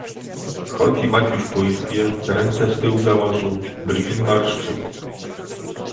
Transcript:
"Chodzi Maciuś po izbie, ręce w tył założył, brwi zmarszczył."